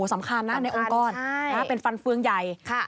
สำคัญนะในองค์กรเป็นฟันเฟืองใหญ่